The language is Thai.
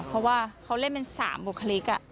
เพราะว่าเขาเล่นเป็น๓บุคลิก